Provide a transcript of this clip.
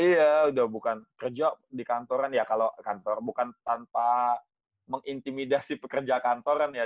iya udah bukan kerja di kantoran ya kalau kantor bukan tanpa mengintimidasi pekerja kantoran ya